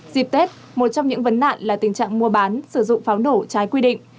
dịp tết một trong những vấn nạn là tình trạng mua bán sử dụng pháo nổ trái quy định